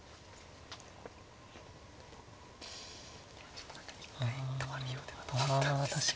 ちょっと何か一回止まるようではと思ったんですが。